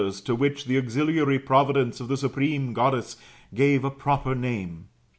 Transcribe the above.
aids\ to which the auxiliary providence of the supreme Goddess gave a proper name.